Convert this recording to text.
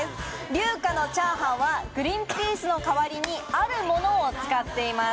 龍華の炒飯はグリーンピースの代わりにあるものを使っています